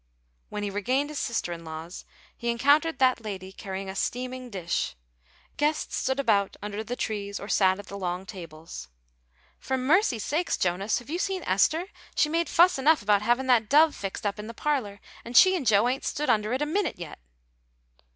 When he regained his sister in law's, he encountered that lady carrying a steaming dish. Guests stood about under the trees or sat at the long tables. "For mercy sakes, Jonas, have you seen Esther? She made fuss enough about havin' that dove fixed up in the parlor, and she and Joe ain't stood under it a minit yet."